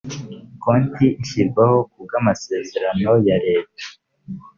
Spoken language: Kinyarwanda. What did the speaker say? konti ishyirwaho ku bw amasezeranoya leta